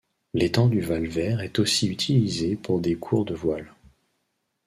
L'étang du Valvert est aussi utilisé pour des cours de voile.